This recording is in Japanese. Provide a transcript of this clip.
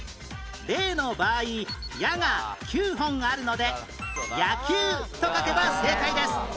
Ａ の場合矢が９本あるので野球と書けば正解です